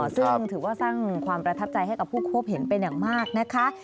ซึ่งถือว่าสร้างความประทับใจให้กับผู้คบเห็นเป็นอย่างมากนะคะ